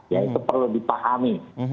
ya itu perlu dipahami